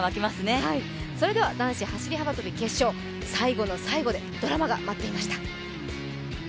それでは男子走幅跳決勝、最後の最後でドラマが待っていました。